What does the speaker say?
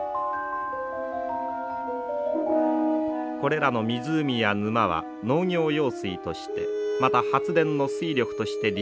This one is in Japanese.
これらの湖や沼は農業用水としてまた発電の水力として利用されています。